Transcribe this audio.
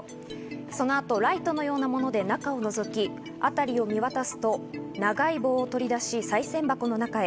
その後、ライトのようなもので中をのぞき、あたりを見回すと長い棒を取り出し、さい銭箱の中へ。